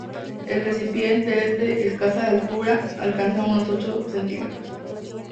El recipiente es de escasa altura alcanza unos ocho cm.